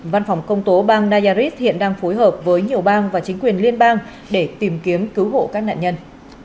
văn phòng công tố bang nays hiện đang phối hợp với nhiều bang và chính quyền liên bang để tìm kiếm cứu hộ các nạn nhân